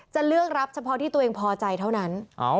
จะเลือกรับเฉพาะที่ตัวเองพอใจเท่านั้น